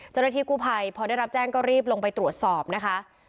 เจ้าหน้าที่กู้ภัยพอได้รับแจ้งก็รีบลงไปตรวจสอบนะคะ